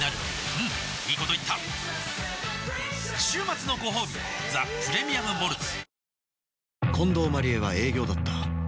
うんいいこと言った週末のごほうび「ザ・プレミアム・モルツ」